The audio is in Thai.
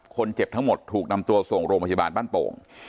คนเจ็บทั้งหมดถูกนำตัวส่งโรงพยาบาลบ้านโป่ง